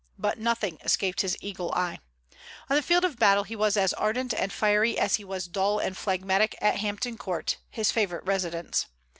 But nothing escaped his eagle eye. On the field of battle he was as ardent and fiery as he was dull and phlegmatic at Hampton Court, his favorite residence.